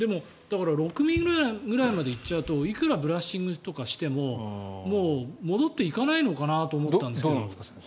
６ｍｍぐらいまで行っちゃうといくらブラッシングとかしてももう戻っていかないのかなと思ったんですけど。